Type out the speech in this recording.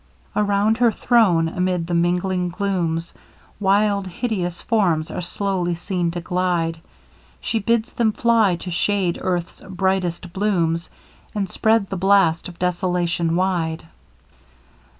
Around her throne, amid the mingling glooms, Wild hideous forms are slowly seen to glide, She bids them fly to shade earth's brightest blooms, And spread the blast of Desolation wide.